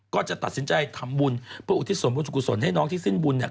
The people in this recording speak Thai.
ก็จะตัดสินใจทำบุญเพื่ออุทิศส่วนบุญชุกุศลให้น้องที่สิ้นบุญเนี่ย